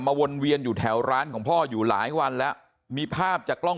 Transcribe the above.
วนเวียนอยู่แถวร้านของพ่ออยู่หลายวันแล้วมีภาพจากกล้อง